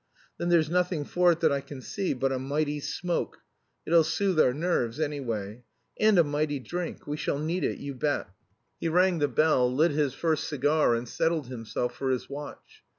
"Then there's nothing for it that I can see but a mighty smoke it'll soothe our nerves any way. And a mighty drink we shall need it, you bet." He rang the bell, lit his first cigar, and settled himself for his watch.